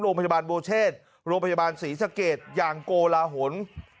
โรงพยาบาลโบเชศโรงพยาบาลศรีสะเกดอย่างโกลาหล